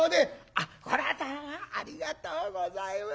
「あっこれはどうもありがとうございます。